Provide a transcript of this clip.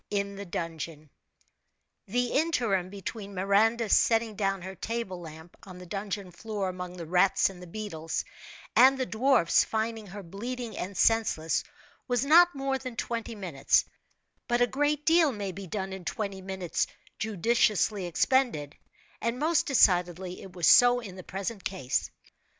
IN THE DUNGEON. The interim between Miranda setting down her lamp on the dungeon floor among the rats and the beetles, and the dwarf's finding her bleeding and senseless, was not more than twenty minutes, but a great deal may be done in twenty minutes judiciously expended, and most decidedly it was so in the present case.